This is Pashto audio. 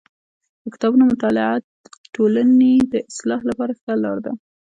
د کتابونو مطالعه د ټولني د اصلاح لپاره ښه لار ده.